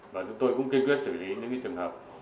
và chúng tôi cũng kiên quyết xử lý những trường hợp